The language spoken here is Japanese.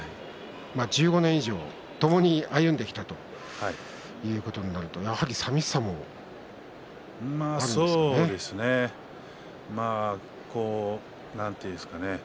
１５年以上ともに歩んできたということになると、やはり寂しさもそうですね。なんていうんですかね